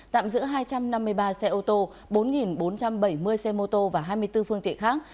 tạm giữ hai trăm năm mươi ba xe ô tô bốn bốn trăm bảy mươi xe mô tô và hai mươi bốn phương tiện khác